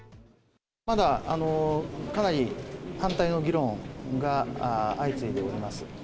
まだかなり反対の議論が相次いでおります。